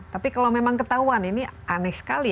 tapi kalau memang ketahuan ini aneh sekali